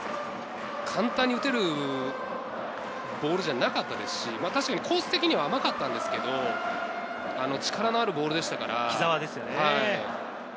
簡単に打てるボールじゃなかったですし、コース的には甘かったんですけど、力のあるボールでしたから。